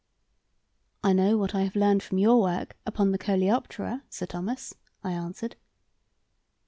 "I know what I have learned from your work upon the coleoptera, Sir Thomas," I answered.